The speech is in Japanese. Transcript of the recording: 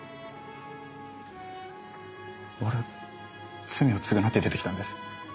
俺罪を償って出てきたんです。